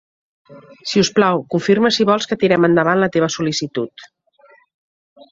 Si us plau, confirma si vols que tirem endavant la teva sol·licitud.